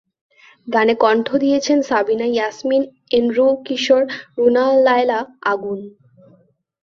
গানে কণ্ঠ দিয়েছেন সাবিনা ইয়াসমিন, এন্ড্রু কিশোর, রুনা লায়লা, আগুন।